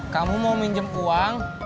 kamu mau minjem uang